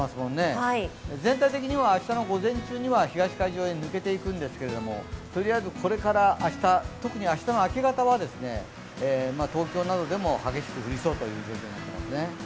全体的には明日の午前中には東海上に抜けていくんですけどもこれから明日、特に明日の明け方は東京などでも激しく降りそうという予想ですね。